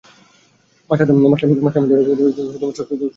মাস্টারমশায়দের তো শ্রদ্ধা করতেই হবে।